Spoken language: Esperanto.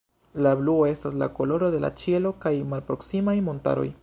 La bluo estas la koloro de la ĉielo kaj malproksimaj montaroj.